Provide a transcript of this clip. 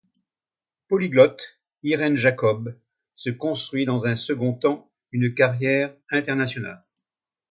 Polyglotte, Irène Jacob se construit, dans un second temps, une carrière internationale.